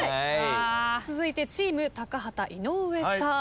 続いてチーム高畑井上さん。